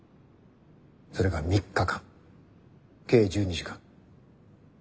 それが３日間計１２時間。